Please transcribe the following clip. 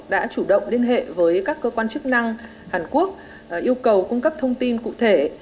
đã chủ động liên hệ với các cơ quan chức năng hàn quốc yêu cầu cung cấp thông tin cụ thể